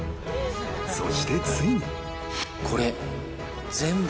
［そしてついに］